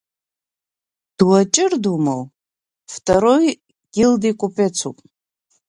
Дуаҷар ду моу, второи гилди купецуп…